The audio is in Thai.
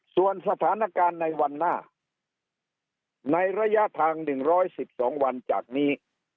ส่วนสถานการณ์ในวันหน้าในระยะทาง๑๑๒วันจากนี้